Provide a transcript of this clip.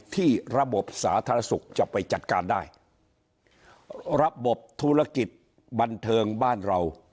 ที่ระบบสาธารณสุขจะไปจัดการได้ระบบธุรกิจบันเทิงบ้านเรา